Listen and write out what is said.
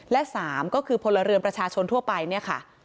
และ๓ก็คือพลเรือนประชาชนทั่วไปเนี่ยค่ะ